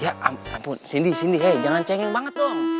ya ampun cindy cindy jangan cengeng banget dong